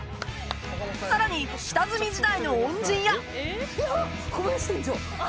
さらに下積み時代の恩人やわあ！